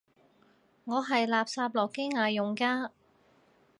我係垃圾諾基亞用家